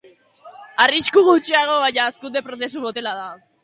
Arrisku gutxiago baina hazkunde prozesu motela da.